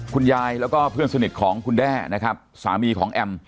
คุณยายแล้วก็เพื่อนสนิทของคุณแด้นะครับสามีของแอม